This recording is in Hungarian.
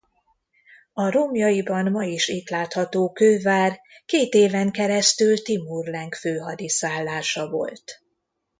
A romjaiban ma is itt látható kővár két éven keresztül Timur Lenk főhadiszállása volt.